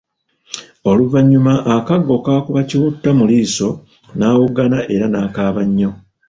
Oluvanyuma akaggo kaakuba Kiwutta mu liiso nawoggana era nakaaba nnyo.